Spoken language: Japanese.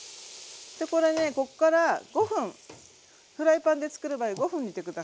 これねこっから５分フライパンでつくる場合は５分煮て下さい。